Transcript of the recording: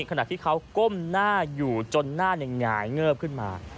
ขณะที่เขาก้มหน้าอยู่จนหน้าหงายเงิบขึ้นมา